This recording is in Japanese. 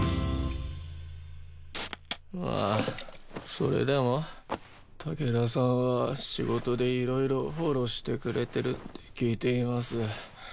まあそれでも竹田さんは仕事でいろいろフォローしてくれてるって聞いています。